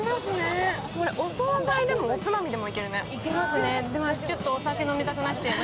これ、お総菜でもおつまみでもいけるね。